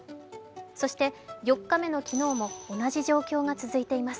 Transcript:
そして４日目の昨日も同じ状況が続いています。